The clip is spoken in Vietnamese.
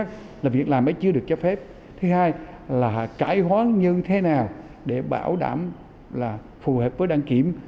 thứ hai là cải hoán như thế nào để bảo đảm là phù hợp với đăng kiểm